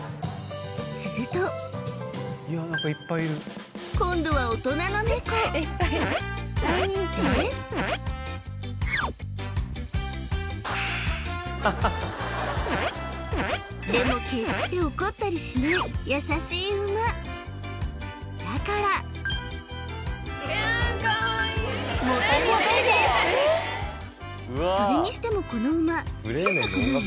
すると今度は大人のネコででも決して怒ったりしない優しい馬だからそれにしてもこの馬